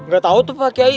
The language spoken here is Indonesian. ga tau tuh pak giai